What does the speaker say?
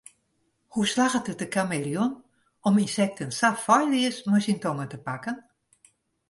Hoe slagget it de kameleon om ynsekten sa feilleas mei syn tonge te pakken?